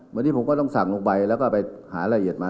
วันนี้ผมก็ต้องสั่งลงไปแล้วก็ไปหารายละเอียดมา